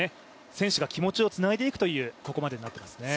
選手が気持ちをつないでいくというここまでになっていますね。